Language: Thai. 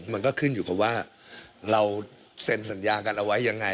มันก็ขึ้นอยู่กับว่าเราเซ็นสัญญากันเอาไว้ยังไง